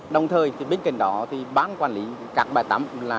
đồng thời bên cạnh đó bán quản lý các bãi tắm